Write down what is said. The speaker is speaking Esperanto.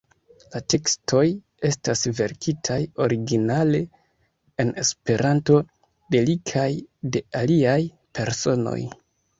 La tekstoj estas verkitaj originale en Esperanto de li kaj de aliaj personoj.